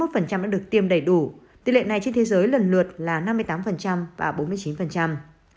phần trăm đã được tiêm đầy đủ tỷ lệ này trên thế giới lần lượt là năm mươi tám phần trăm và bốn mươi chín phần trăm